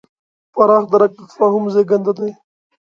پراخ درک د تفاهم زېږنده دی.